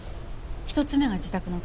１つ目が自宅の鍵。